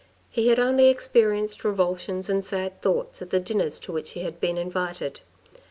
He had only experienced revulsions and sad thoughts at the dinners to which he had been invited.